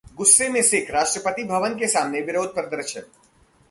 गुस्से में सिख, राष्ट्रपति भवन के सामने विरोध-प्रदर्शन